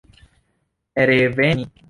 reveni